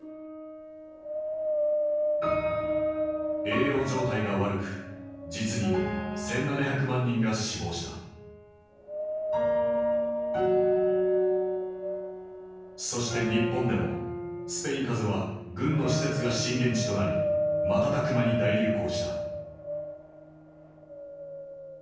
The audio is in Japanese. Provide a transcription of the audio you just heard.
栄養状態が悪く実にそして日本でもスペイン風邪は軍の施設が震源地となり瞬く間に大流行した。